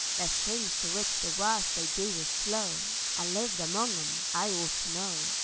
There's things to which the worst they do is slow; I've lived among 'em an I ort to know.